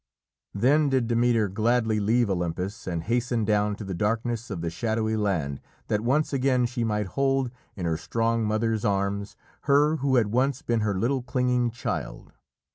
Then did Demeter gladly leave Olympus and hasten down to the darkness of the shadowy land that once again she might hold, in her strong mother's arms, her who had once been her little clinging child.